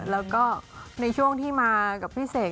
แล้วก็ในช่วงที่มากับพี่เสก